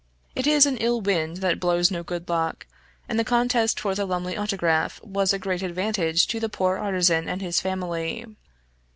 It is an ill wind that blows no good luck, and the contest for the Lumley Autograph was a great advantage to the poor artisan and his family.